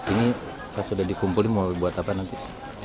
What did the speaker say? ini pas sudah dikumpulin mau buat apa nanti